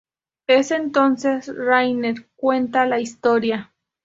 Es entonces Rayner cuenta la historia.